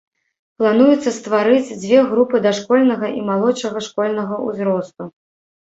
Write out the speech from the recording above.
Плануецца стварыць дзве групы дашкольнага і малодшага школьнага ўзросту.